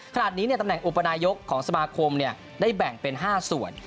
ขณะนี้ตำแหน่งอุปนายกของสมาคมได้แบ่งเป็น๕ส่วน